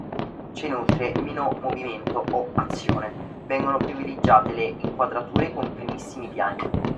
C'è inoltre meno "movimento" o "azione"; vengono privilegiate le inquadrature con primissimi piani.